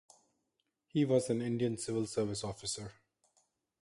He was an Indian Civil Service officer.